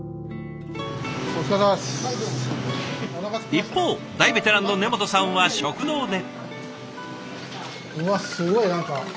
一方大ベテランの根本さんは食堂で。